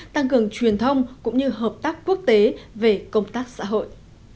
tăng cường truyền thông cũng như hợp tác quốc tế về công tác xã hội